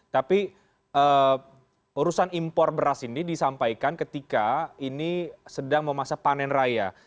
tapi urusan impor beras ini disampaikan ketika ini sedang memasa panen raya